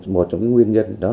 một trong nguyên nhân